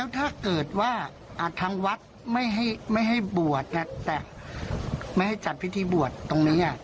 แต่ไม่ให้จัดพิธีบวชตรงนี้อ่ะ